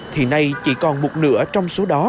thì nay chỉ còn một nửa trong số đó